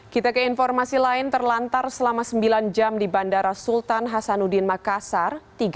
kita ke informasi lain terlantar selama sembilan jam di bandara sultan hasanuddin makassar